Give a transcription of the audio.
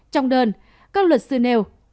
trong đơn các luật sư nêu